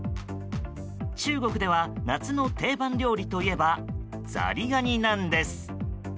中国では夏の定番料理といえばザリガニなんです。